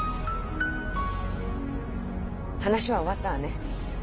話は終わったわね。